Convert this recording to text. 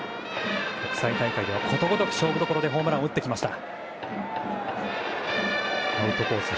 国際大会ではことごとく勝負どころで打ってきました。